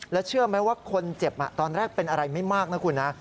แล้วเชื่อไหมว่าคนเจ็บตอนแรกเป็นอะไรไม่มากนะคุณนะ